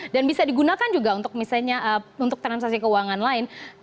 dan bisa digunakan juga untuk misalnya transaksi keuangan lain